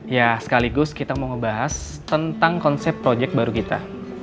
ya sekaligus kita mau ngebahas tentang konsep proyek baru kita